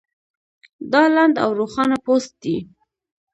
دا لنډ او روښانه پوسټ دی